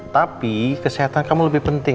tapi kesehatan kamu lebih penting